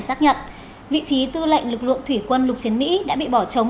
xác nhận vị trí tư lệnh lực lượng thủy quân lục chiến mỹ đã bị bỏ trống